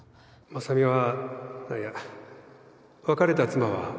真佐美はいや別れた妻は